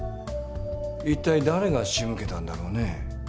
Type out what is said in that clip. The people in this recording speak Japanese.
一体誰が仕向けたんだろうねえ。